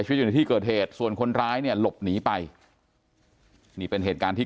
อยู่ในที่เกิดเหตุส่วนคนร้ายเนี่ยหลบหนีไปนี่เป็นเหตุการณ์ที่